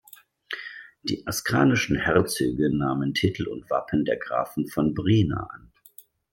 Die askanischen Herzöge nahmen Titel und Wappen der Grafen von Brehna an.